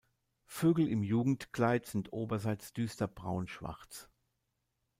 Vögel im Jugendkleid sind oberseits düster braunschwarz.